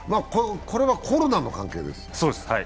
これはコロナの関係です。